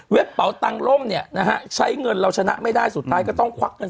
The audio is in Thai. เว็บเปาตังหร่มใช้เงินเราชนะไม่ได้สุดท้ายก็ต้องควักกัน